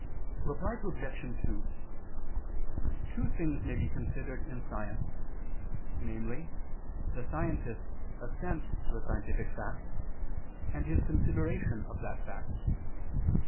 Reply Obj. 2: Two things may be considered in science: namely the scientist's assent to a scientific fact and his consideration of that fact.